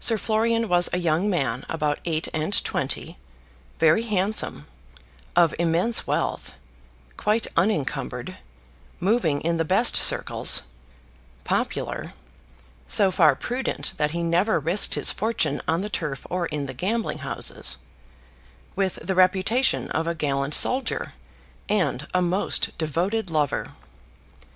Sir Florian was a young man about eight and twenty, very handsome, of immense wealth, quite unencumbered, moving in the best circles, popular, so far prudent that he never risked his fortune on the turf or in gambling houses, with the reputation of a gallant soldier, and a most devoted lover.